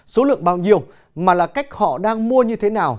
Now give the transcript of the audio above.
số lượng bao nhiêu mà là cách họ đang mua như thế nào